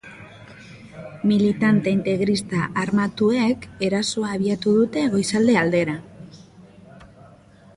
Militante integrista armatuek erasoa abiatu dute goizalde aldera.